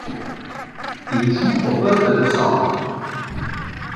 Il joue au poste de centre.